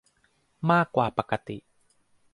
มากกว่าปกติ